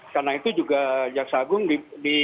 karena itu juga jaksa agung di